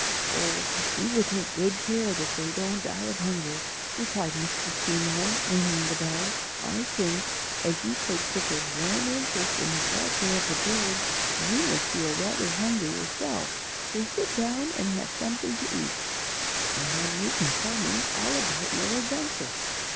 "Oh, we will take good care that they don't die of hunger," replied Mr. Seymour, ringing the bell. "I think, as you take such a warm interest in the welfare of the birds, you must feel rather hungry yourself. So sit down and have something to eat, and then you can tell me all about your adventure."